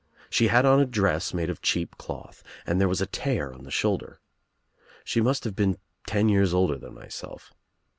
She had on a dress made of cheap cloth and there was a tear on the shoulder. She must have been ten years older than myself.